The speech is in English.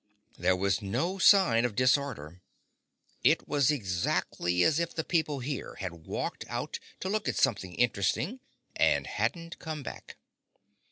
There was no sign of disorder. It was exactly as if the people here had walked out to look at something interesting, and hadn't come back.